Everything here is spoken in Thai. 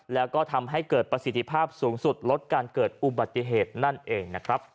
แล้วก็ทำให้เกิดประสิทธิภาพสูงสุดลดการเกิดอุบัติเหตุนั่นเองนะครับ